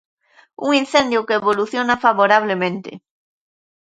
Un incendio que evoluciona favorablemente.